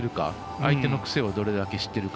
相手の癖をどれだけ知ってるか。